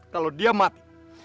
kalau dia mati